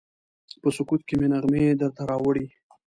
په سکوت کې مې نغمې درته راوړي